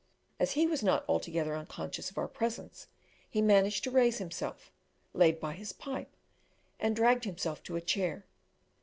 As he was not altogether unconscious of our presence, he managed to raise himself, laid by his pipe, and dragged himself to a chair.